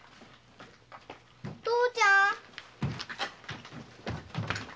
父ちゃん？